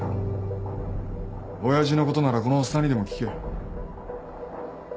親父のことならこのおっさんにでも聞け。